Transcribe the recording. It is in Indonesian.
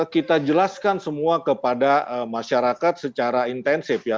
kita jelaskan semua kepada masyarakat secara intensif ya